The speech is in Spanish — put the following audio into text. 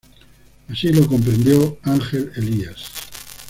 Así lo comprendió Ángel Elías.